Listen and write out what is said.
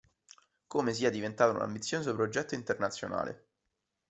Come sia diventato un ambizioso progetto internazionale.